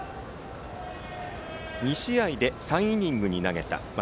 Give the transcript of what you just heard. ２試合で３イニングに投げました。